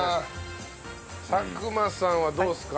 佐久間さんはどうっすか？